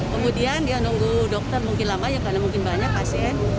kemudian dia nunggu dokter mungkin lama ya karena mungkin banyak pasien